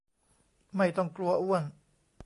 ไม่ต้องกลัวอ้วน